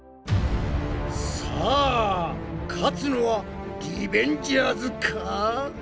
さあ勝つのはリベンジャーズか？